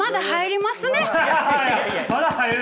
まだ入る？